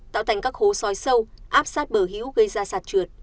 tạo thành các hố xói sâu áp sát bờ híu gây ra sạt trượt